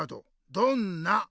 「どんな？」。